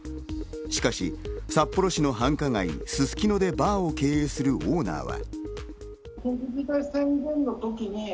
しかし札幌市の繁華街・すすきのでバーを経営するオーナーは。